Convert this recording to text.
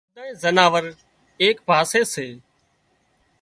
ٻڌائي زناور ايڪ پاسي سي